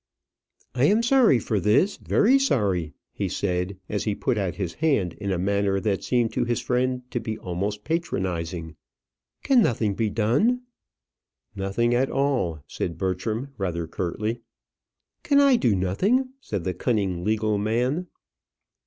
"I am sorry for this; very sorry," he said, as he put out his hand in a manner that seemed to his friend to be almost patronizing. "Can nothing be done?" "Nothing at all," said Bertram, rather curtly. "Can I do nothing?" said the cunning, legal man.